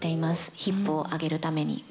ヒップを上げるために。